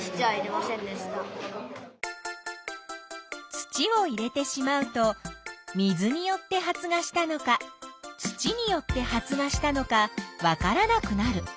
土を入れてしまうと水によって発芽したのか土によって発芽したのかわからなくなる。